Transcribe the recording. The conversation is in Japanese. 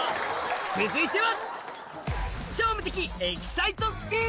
続いては！